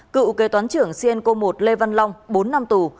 cựu kế toán trưởng cenco một lê văn long bốn năm tù